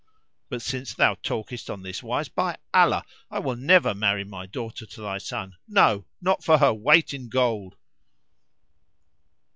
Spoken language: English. But since thou talkest on this wise, by Allah, I will never marry my daughter to thy son; no, not for her weight in gold!"